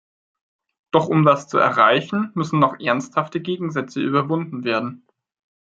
Doch um das zu erreichen, müssen noch ernsthafte Gegensätze überwunden werden.